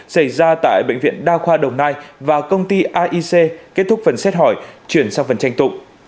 xảy ra tại bệnh viện đa khoa đồng nai và công ty aic kết thúc phần xét hỏi chuyển sang phần tranh tụ